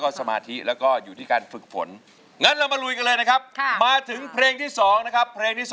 คำนองนี้จะเป็นหลายสามเรียกว่านวด